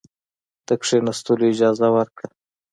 د کښېنستلو اجازه ورکړه.